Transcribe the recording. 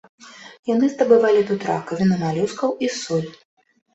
Яны здабывалі тут ракавіны малюскаў і соль.